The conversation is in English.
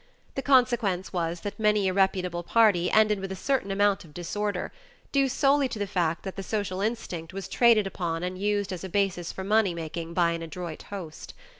The consequence was that many a reputable party ended with a certain amount of disorder, due solely to the fact that the social instinct was traded upon and used as a basis for money making by an adroit host.